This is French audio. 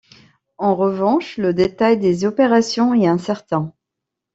En revanche, le détail des opérations est incertain.